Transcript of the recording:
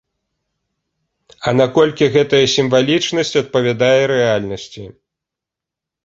А наколькі гэтая сімвалічнасць адпавядае рэальнасці?